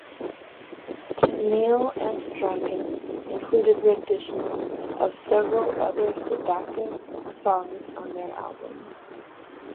Tennille and Dragon included renditions of several other Sedaka songs on their albums.